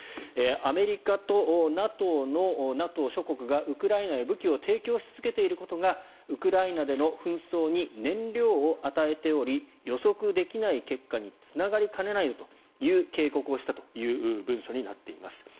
アメリカとＮＡＴＯ諸国がウクライナへ武器を提供し続けていることがウクライナでの紛争に燃料を与えており予測できない結果につながりかねないという警告をしたという文書になっています。